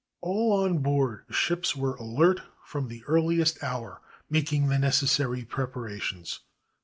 All on board the ships were alert from the earhest hour, making the necessary preparations.